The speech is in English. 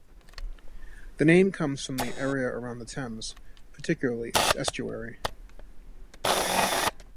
The name comes from the area around the Thames, particularly its Estuary.